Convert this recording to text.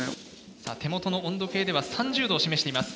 さあ手元の温度計では３０度を示しています。